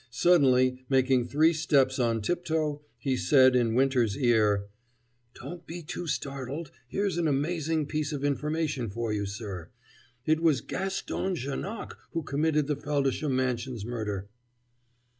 Suddenly making three steps on tiptoe, he said in Winter's ear: "Don't be too startled here's an amazing piece of information for you, sir it was Gaston Janoc who committed the Feldisham Mansions murder!"